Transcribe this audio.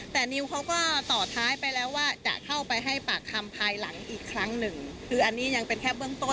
แต่นิวเขาก็ต่อท้ายไปแล้วว่าจะเข้าไปให้ปากคำภายหลังอีกครั้งหนึ่งคืออันนี้ยังเป็นแค่เบื้องต้น